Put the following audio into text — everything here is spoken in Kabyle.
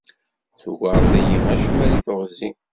Tugareḍ-iyi acemma deg teɣzi.